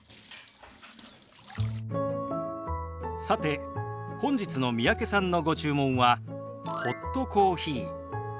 さて本日の三宅さんのご注文はホットコーヒー。